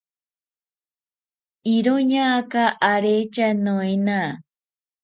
iroñaka aretya noena